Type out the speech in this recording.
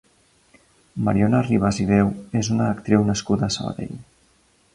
Mariona Ribas i Deu és una actriu nascuda a Sabadell.